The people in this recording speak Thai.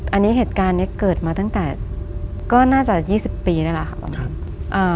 อันนี้เหตุการณ์เนี้ยเกิดมาตั้งแต่ก็น่าจะ๒๐ปีได้แล้วค่ะ